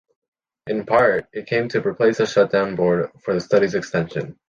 In part, it came to replace the shut down Board for the Studies Extension.